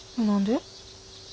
何で？